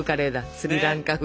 スリランカ風。